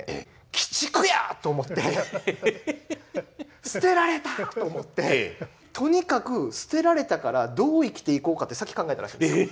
「『鬼畜』や！！」と思って「捨てられた！」と思ってとにかく捨てられたからどう生きていこうかって先考えたらしいんですよ。